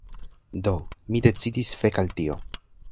Do, mi decidis fek' al tio